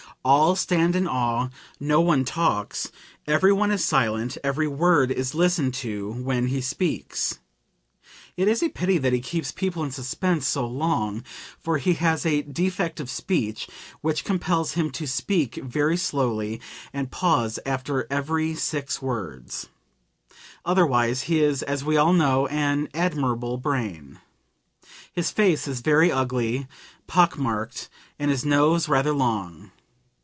All stand in awe, no one talks, everyone is silent, every word is listened to when he speaks. It is a pity that he keeps people in suspense so long, for he has a defect of speech which compels him to speak very slowly and pause after every six words. Otherwise his is, as we all know, an admirable brain. His face is very ugly, pockmarked, and his nose rather long.